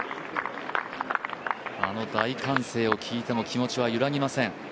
あの大歓声を聞いても気持ちは揺らぎません。